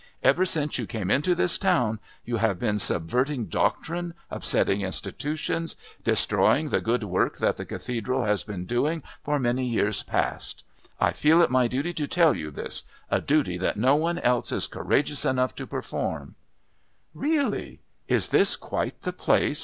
Ever since you came into this town, you have been subverting doctrine, upsetting institutions, destroying the good work that the Cathedral has been doing for many years past. I feel it my duty to tell you this, a duty that no one else is courageous enough to perform " "Really, is this quite the place?"